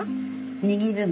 握るの。